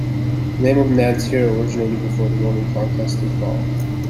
The name of Nanterre originated before the Roman conquest of Gaul.